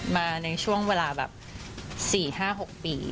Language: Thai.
มาในช่วงเวลาแบบ๔๕๖ปี